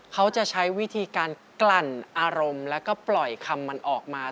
เขาจะใช้วิธีการกลั่นอารมณ์แล้วก็ปล่อยคำมันออกมา